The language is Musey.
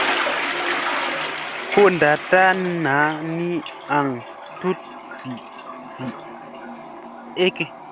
Ko ndatta naa ni aŋ tut vii ey.